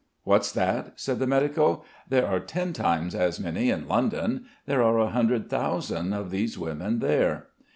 "What's that?" said the medico. "There are ten times as many in London. There are a hundred thousand of these women there."